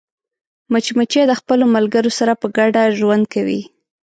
مچمچۍ د خپلو ملګرو سره په ګډه ژوند کوي